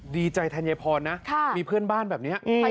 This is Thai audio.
ดีใจธัญพรนะมีเพื่อนบ้านแบบนี้